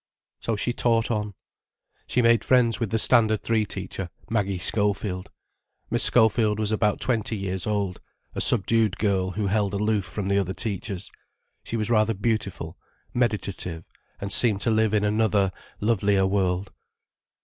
So she taught on. She made friends with the Standard Three teacher, Maggie Schofield. Miss Schofield was about twenty years old, a subdued girl who held aloof from the other teachers. She was rather beautiful, meditative, and seemed to live in another, lovelier world.